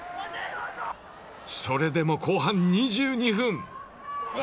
それでも後半２２分。